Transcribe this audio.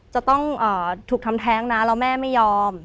จะต้องถูกทำแท้งนะแล้วแม่ไม่ยอม